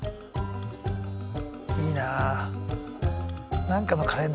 いいなあ。